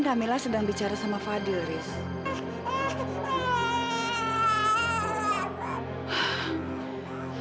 kam last time berbicara ternyata pada bismillahirrahmanirrahim